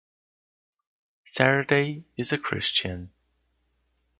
Saturday is a Christian.